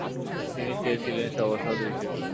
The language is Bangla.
তিনি চেয়েছিলেন সভাসদ হিসেবে।